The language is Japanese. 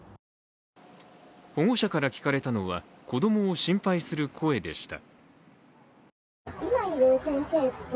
保護者から聞かれたのは、子供を心配する声でした。